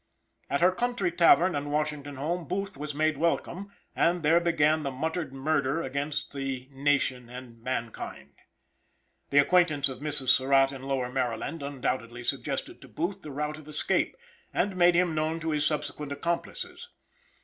At her country tavern and Washington home Booth was made welcome, and there began the muttered murder against the nation and mankind. The acquaintance of Mrs. Surratt in Lower Maryland undoubtedly suggested to Booth the route of escape, and made him known to his subsequent accomplices.